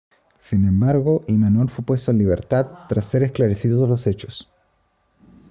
Sin embargo, Imanol fue puesto en libertad tras ser esclarecidos los hechos.